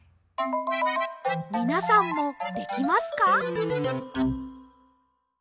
みなさんもできますか？